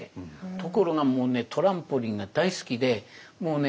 ところがもうねトランポリンが大好きでもうね